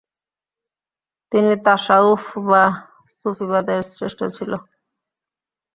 তিনি তাসাউফ বা সুফীবাদে শ্রেষ্ঠ ছিল।